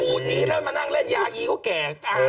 นี้แล้วมานั่งเล่นยาอีก็แก่